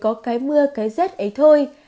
có cái mưa cái rét ấy thôi